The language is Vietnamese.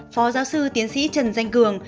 phó giáo sư tiến sĩ trần danh cường